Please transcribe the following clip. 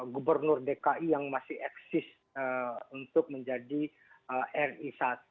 gubernur dki yang masih eksis untuk menjadi ri satu